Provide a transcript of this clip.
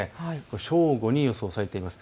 正午に予想されています。